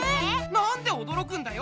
なんでおどろくんだよ？